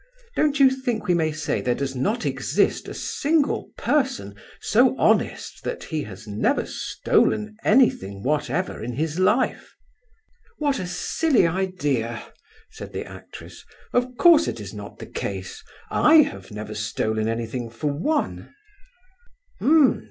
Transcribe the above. Don't you think we may say there does not exist a single person so honest that he has never stolen anything whatever in his life?" "What a silly idea," said the actress. "Of course it is not the case. I have never stolen anything, for one."